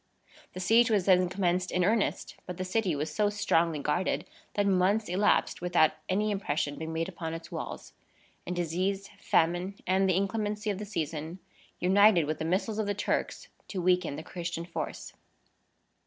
The siege was then commenced in earnest; but the city was so strongly guarded, that months elapsed without any impression being made upon its walls; and disease, famine, and the inclemency of the season, united with the missiles of the Turks to weaken the Christian force.